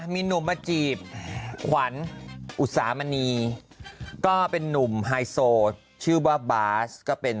มีหนุ่มมาจีบขวัญอุตสามณีก็เป็นนุ่มไฮโซชื่อว่าบาสก็เป็น